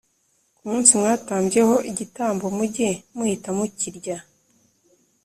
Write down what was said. Ku munsi mwatambyeho igitambo mujye muhita mukirya